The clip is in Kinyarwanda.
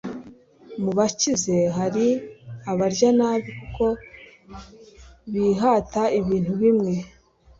mu bakize, hari abarya nabi kuko bihata ibintu bimwe